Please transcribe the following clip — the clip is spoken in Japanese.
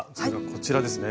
こちらですね。